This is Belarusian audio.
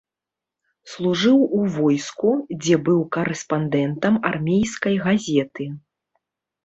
Служыў у войску, дзе быў карэспандэнтам армейскай газеты.